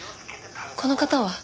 この方は？